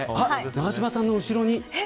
永島さんの後ろに。